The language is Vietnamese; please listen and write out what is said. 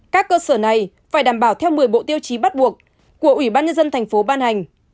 các cơ sở này phải đảm bảo theo một mươi bộ tiêu chí bắt buộc của ủy ban nhân dân thành phố ban hành